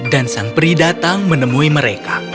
dan sang pri datang menemui mereka